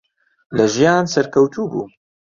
لە ژیان سەرکەوتوو بوو.